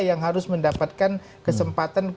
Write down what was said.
yang harus mendapatkan kesempatan